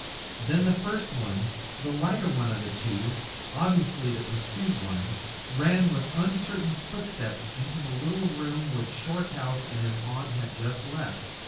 Then the first one, the lighter of the two, obviously the pursued one, ran with uncertain footsteps into the little room which Shorthouse and his aunt had just left.